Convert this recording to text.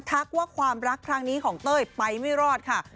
ทักว่าความรักครั้งนี้ของเต้ยไปไม่รอดค่ะ